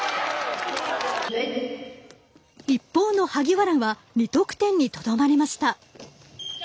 一方の萩原は２得点にとどまりました。